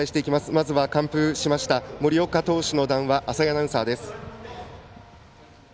まずは完封しました森岡投手の談話を浅井アナウンサーです。